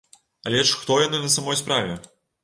Але ж хто яны на самой справе?